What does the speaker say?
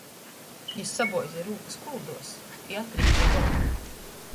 Jis sabuoze rūkys kulduos i atrīze golvu.